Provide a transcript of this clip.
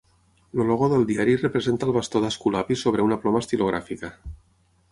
El logo del diari representa el Bastó d'Esculapi sobre una ploma estilogràfica.